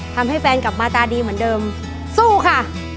ทำให้แฟนกลับมาตาดีเหมือนเดิมสู้ค่ะ